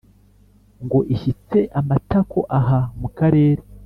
ngo ishyitse amatako aha mu karere